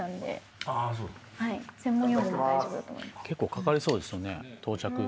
結構かかりそうですよね到着。